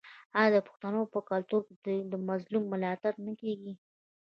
آیا د پښتنو په کلتور کې د مظلوم ملاتړ نه کیږي؟